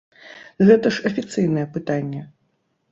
Гэта ж афіцыйнае пытанне.